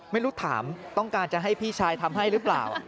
ไม่รู้ถามต้องการจะให้พี่ชายทำให้หรือเปล่า